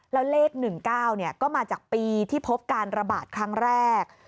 แล้วเลข๑๙ก็มาจากปีที่พบการระบาดครั้งแรก